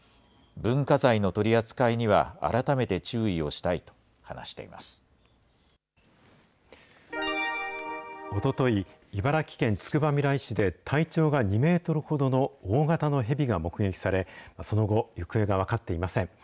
文化財の取り扱いには改めて注意おととい、茨城県つくばみらい市で、体長が２メートルほどの大型のヘビが目撃され、その後、行方が分かっていません。